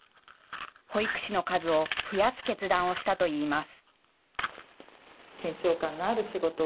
保育士の数を増やす決断をしたといいます。